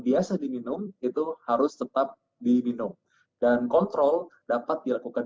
biasa diminum itu harus tetap diminum dan kontrol dapat dilakukan